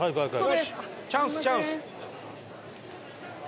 チャンスチャンス！